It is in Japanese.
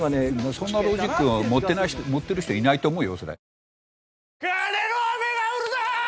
そんなロジックを持ってる人いないと思うよそれ。